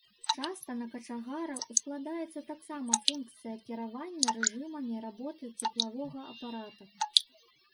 Часта на качагара ускладаецца таксама функцыя кіравання рэжымамі работы цеплавога апарата.